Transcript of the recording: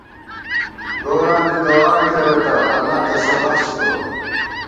گوراں دی دُعا کېرہ تہ اللہ تسہ بخچبہ